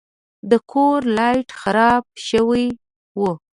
د کور لایټ خراب شوی و.